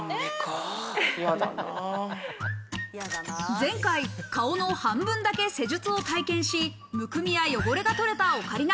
前回、顔の半分だけ施術を体験し、むくみや汚れが取れたオカリナ。